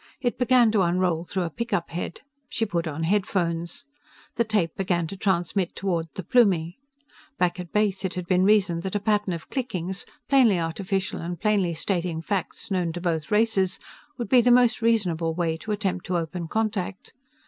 It began to unroll through a pickup head. She put on headphones. The tape began to transmit toward the Plumie. Back at base it had been reasoned that a pattern of clickings, plainly artificial and plainly stating facts known to both races, would be the most reasonable way to attempt to open contact.